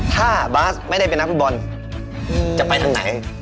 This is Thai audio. ถ้าบาสไม่ได้เป็นนักฟุตบอลจะไปทางไหน